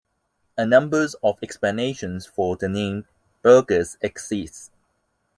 A number of explanations for the name "Baughurst" exist.